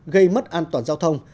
gây mất an toàn giao thông